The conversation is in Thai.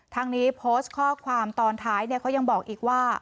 ทางนี้โพสต์ข้อความตอนท้ายเขายังบอกอีกว่า